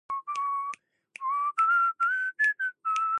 The simple inflorescences occur singly or in pairs on long glabrous stalks.